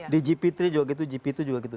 di gp tiga juga gitu gp dua juga gitu